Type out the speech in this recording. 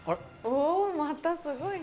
おまたすごいな。